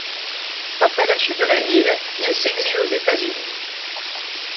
Après la chute de la ville, il s'exile aux États-Unis.